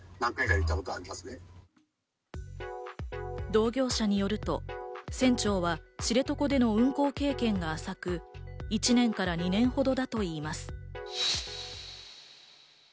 同業者によると、船長は知床での運航経験が浅く、１年から２年ほどだといいます。